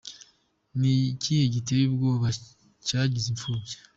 Ni gihe giteye ubwoba cyangize imfubyi.